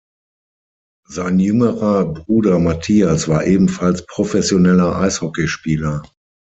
Sein jüngerer Bruder Mathias war ebenfalls professioneller Eishockeyspieler.